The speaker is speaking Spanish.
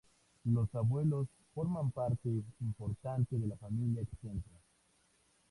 Los abuelos forman parte importante de la familia extensa.